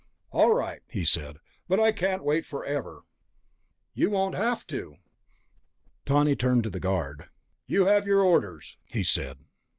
"All right," he said, "but I can't wait forever...." "You won't have to." Tawney turned to the guard. "You have your orders," he said.